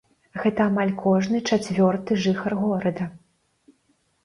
Гэта амаль кожны чацвёрты жыхар горада.